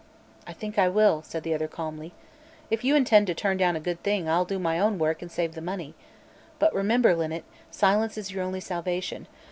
"I think I will," said the other calmly. "If you intend to turn down a good thing, I'll do my own work and save the money. But remember, Linnet, silence is your only salvation.